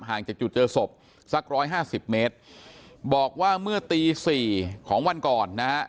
จากจุดเจอศพสักร้อยห้าสิบเมตรบอกว่าเมื่อตีสี่ของวันก่อนนะฮะ